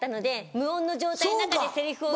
無音の状態の中でセリフを言う。